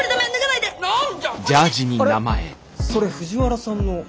それ藤原さんの。